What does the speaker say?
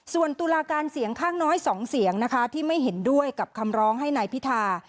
ส่วนตุลาการเสียงข้างน้อย๒เสียงนะคะที่ไม่เห็นด้วยกับคำร้องให้นายพิธา